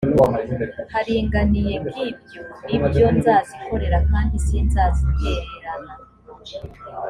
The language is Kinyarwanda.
haringaniye g ibyo ni byo nzazikorera kandi sinzazitererana